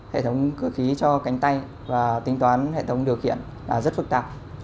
hệ thống cửa khí cho cánh tay và tính toán hệ thống điều khiển là rất phức tạp